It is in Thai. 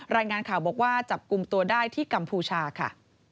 รายงานข่าวบอกว่าจับกลุ่มตัวได้ที่กัมพูชาค่ะ